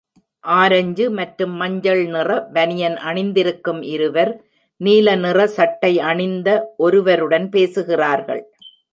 Orange மற்றும் மஞ்சள் நிற பனியன் அணிந்திருக்கும் இருவர், நீல நிற சட்டை அணிந்த ஒருவருடன் பேசுகிறார்கள்.